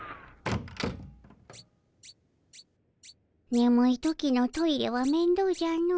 ねむい時のトイレは面倒じゃの。